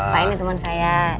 pak ini teman saya